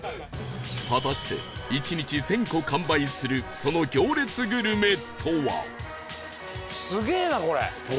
果たして１日１０００個完売するその行列グルメとは？